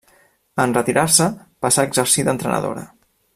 En retirar-se passà a exercir d'entrenadora.